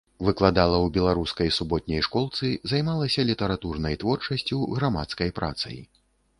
Выкладала ў беларускай суботняй школцы, займалася літаратурнай творчасцю, грамадскай працай.